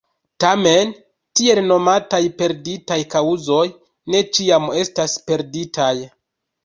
Tamen, tiel nomataj perditaj kaŭzoj ne ĉiam estas perditaj.